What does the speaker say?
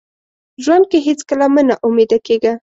ژوند کې هیڅکله مه ناامیده کیږه.